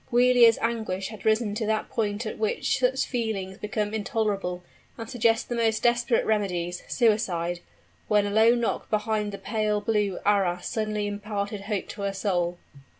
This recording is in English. Giulia's anguish had risen to that point at which such feelings become intolerable, and suggest the most desperate remedies suicide, when a low knock behind the pale blue arras suddenly imparted hope to her soul.